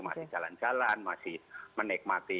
masih jalan jalan masih menikmati